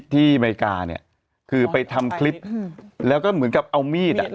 อเมริกาเนี่ยคือไปทำคลิปแล้วก็เหมือนกับเอามีด